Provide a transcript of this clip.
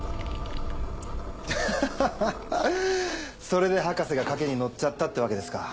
それで博士が賭けに乗っちゃったってわけですか。